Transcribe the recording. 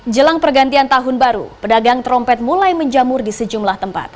jelang pergantian tahun baru pedagang trompet mulai menjamur di sejumlah tempat